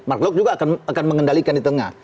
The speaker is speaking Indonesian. mark lok juga akan mengendalikan di tengah